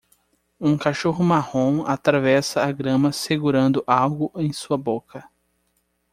Um cachorro marrom atravessa a grama segurando algo em sua boca